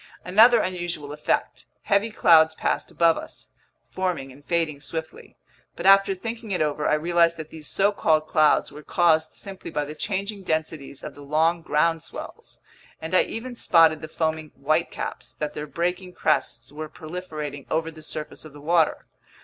Another unusual effect. Heavy clouds passed above us, forming and fading swiftly. But after thinking it over, I realized that these so called clouds were caused simply by the changing densities of the long ground swells, and I even spotted the foaming "white caps" that their breaking crests were proliferating over the surface of the water.